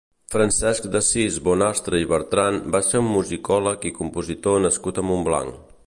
Francesc d'Assis Bonastre i Bertran va ser un musicòleg i compositor nascut a Montblanc.